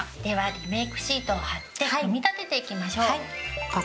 ではリメイクシートを貼って組み立てていきましょう。